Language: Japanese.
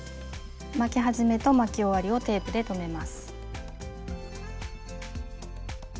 巻き始めと巻き終わりをテープで留めます。